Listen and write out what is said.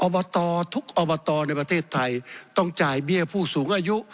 ทุกอบตในประเทศไทยต้องจ่ายเบี้ยผู้สูงอายุ